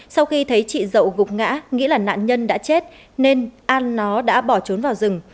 sau khi thấy chị dậu gục ngã nghĩ là nạn nhân đã chết nên an nó đã bỏ trốn vào rừng